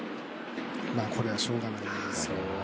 これはしょうがないですね。